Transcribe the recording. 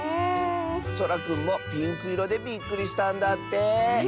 そらくんもピンクいろでびっくりしたんだって。